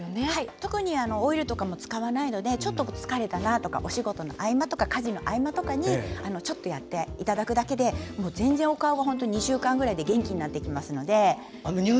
特にオイルとかも使わないので疲れたなとかお仕事とか家事の合間にちょっとやっていただくだけで全然、お顔が本当に２週間ぐらいで元気になってきます。